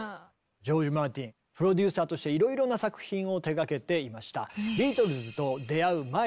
ジョージ・マーティンプロデューサーとしていろいろな作品を手がけていました。